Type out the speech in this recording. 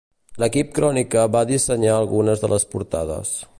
L'Equip Crònica va dissenyar algunes de les portades.